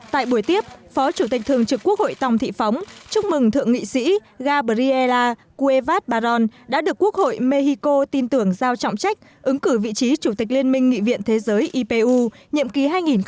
tại buổi tiếp phó chủ tịch thường trực quốc hội tòng thị phóng chúc mừng thượng nghị sĩ gabriela kuevad baron đã được quốc hội mexico tin tưởng giao trọng trách ứng cử vị trí chủ tịch liên minh nghị viện thế giới ipu nhiệm kỳ hai nghìn một mươi sáu hai nghìn hai mươi